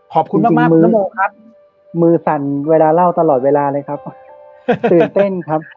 ขอบคุณมากมากมือครับมือสั่นเวลาเล่าตลอดเวลาเลยครับตื่นเต้นครับ